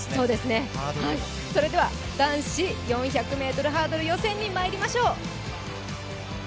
それでは男子１１０ｍハードル予選にまいりましょう。